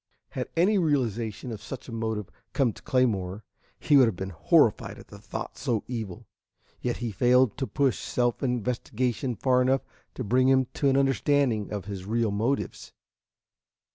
Had any realization of such a motive come to Claymore, he would have been horrified at a thought so evil; yet he failed to push self investigation far enough to bring him to an understanding of his real motives.